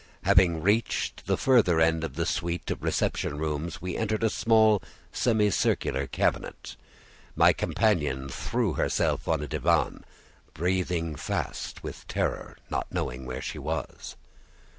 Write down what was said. Having reached the further end of the suite of reception rooms, we entered a small semi circular cabinet. My companion threw herself on a divan, breathing fast with terror, not knowing where she was.